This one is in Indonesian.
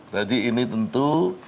jadi ini tentu